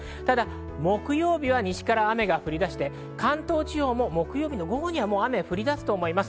木曜日は西から雨が降り出して関東地方も木曜日、午後には雨が降り出すと思います。